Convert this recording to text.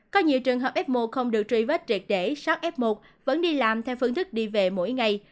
có nhiều trường hợp f một không được truy vết triệt để sát f một vẫn đi làm theo phương thức đi về mỗi ngày